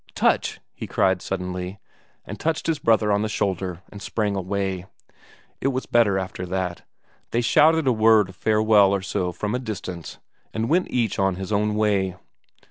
"Touch!" he cried suddenly, and touched his brother on the shoulder and sprang away. It was better after that; they shouted a word of farewell or so from a distance, and went each on his own way.